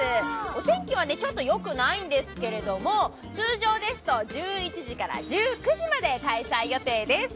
お天気はちょっとよくないんですけれども通常ですと１１時から１９時まで開催予定です。